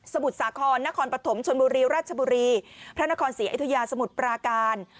สมุดสาขอนนครปฐมชนบุรีราชบุรีพระนครศรีไอทุยาสมุดปราการ